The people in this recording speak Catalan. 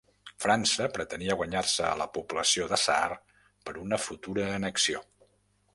França pretenia guanyar-se a la població de Saar per una futura annexió.